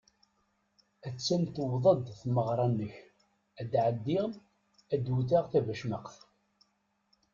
Att-an tewweḍ-d tmeɣṛa-inek ad ɛeddiɣ ad wwteɣ tabacmaqt.